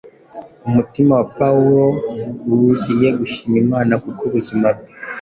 Umutima wa Pawulo wuziye gushima Imana kuko ubuzima bwe